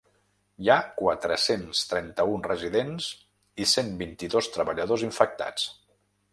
Hi ha quatre-cents trenta-un residents i cent vint-i-dos treballadors infectats.